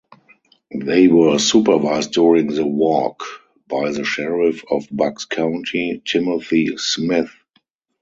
They were supervised during the "walk" by the Sheriff of Bucks County, Timothy Smith.